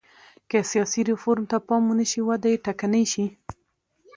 که سیاسي ریفورم ته پام ونه شي وده یې ټکنۍ شي.